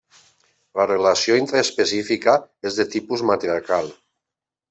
La relació intraespecífica és de tipus matriarcal.